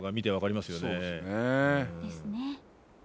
ですね。